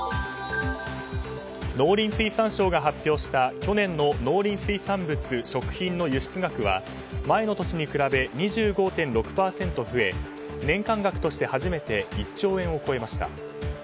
農林水産省が発表した去年の農林水産物・食品の輸出額は前の年に比べ２５．６％増え年間額として初めて１兆円を超えました。